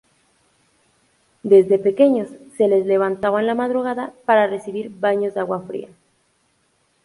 Desde pequeños se les levantaba en la madrugada para recibir baños de agua fría.